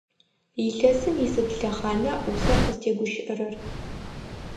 Илъэсым исыд лъэхъана усэр къызтегущыӏэрэр?